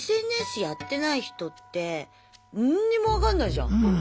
ＳＮＳやってない人って何にも分かんないじゃん。